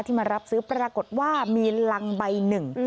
มารับซื้อปรากฏว่ามีรังใบหนึ่ง